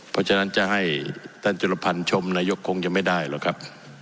เพราะฉะนั้นจะให้ตกอธิบันชมนายกคงจะไม่ได้หรอกครับ